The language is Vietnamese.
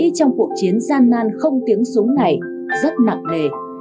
trong cuộc chiến gian nan không tiếng súng này rất nặng nề